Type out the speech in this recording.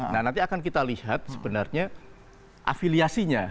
nah nanti akan kita lihat sebenarnya afiliasinya